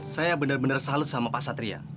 saya bener bener salut sama pak satria